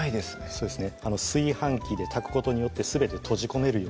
そうですね